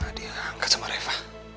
nah dia angkat sama treva